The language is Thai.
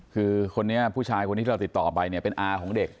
คือคนนี้ผู้ชายคนนี้เราติดต่อไปเนี่ยเป็นอาของเด็ก